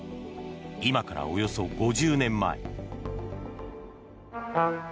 今からおよそ５０年前。